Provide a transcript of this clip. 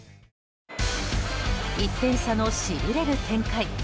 １点差のしびれる展開。